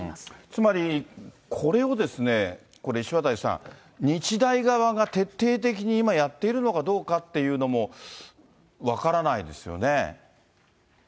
つまり、これを、これ、石渡さん、日大側が徹底的に今やっているのかどうかっていうのも分からないですよね。